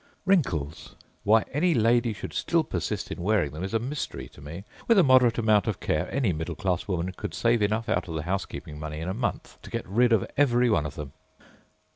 Wrinkles! Why any lady should still persist in wearing them is a mystery to me. With a moderate amount of care any middle class woman could save enough out of the housekeeping money in a month to get rid of every one of them.